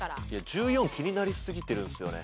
１４気になりすぎてるんですよね。